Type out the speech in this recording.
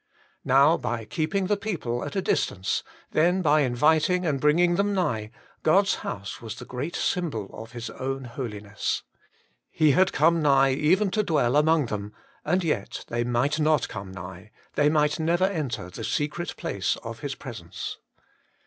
Now by keeping the people at a distance, then by inviting and bringing them nigh, God's house was the great symbol of His own Holiness. He had come nigh even to dwell among them ; and yet they might not come nigh, they might never enter the secret place of His presence.